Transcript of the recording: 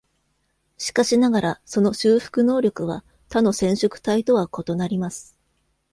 しかしながら、その修復能力は他の染色体とは異なります。